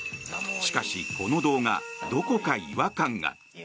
しかし、この動画どこか違和感が。